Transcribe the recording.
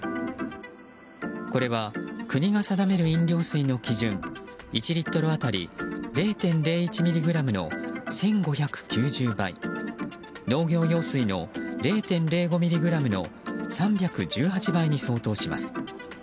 これは国が定める飲料水の基準１リットル当たり０．０１ｍｇの１５９０倍農業用水の０．０５ｍｇの３１８倍に相当します。